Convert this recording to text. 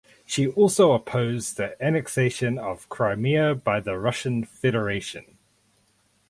She also opposed the annexation of Crimea by the Russian Federation.